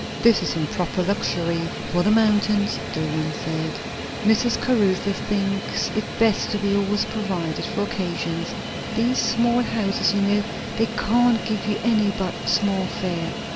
"This is improper luxury for the mountains," Dillwyn said. "Mrs. Caruthers thinks it best to be always provided for occasions. These small houses, you know, they can't give you any but small fare."